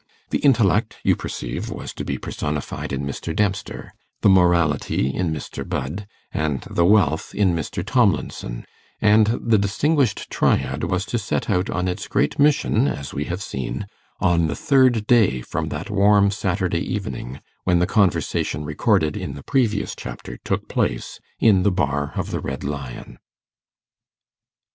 The intellect, you perceive, was to be personified in Mr. Dempster, the morality in Mr. Budd, and the wealth in Mr. Tomlinson; and the distinguished triad was to set out on its great mission, as we have seen, on the third day from that warm Saturday evening when the conversation recorded in the previous chapter took place in the bar of the Red Lion.